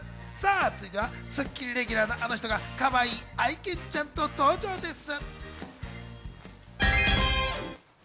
続いては『スッキリ』でレギュラーのあの人がかわいい愛犬ちゃんと登場です。